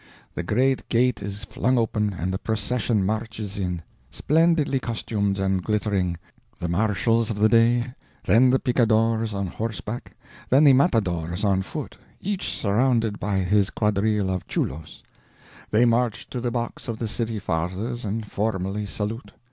The great gate is flung open, and the procession marches in, splendidly costumed and glittering: the marshals of the day, then the picadores on horseback, then the matadores on foot, each surrounded by his quadrille of chulos. They march to the box of the city fathers, and formally salute.